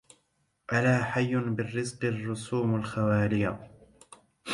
ألا حي بالزرق الرسوم الخواليا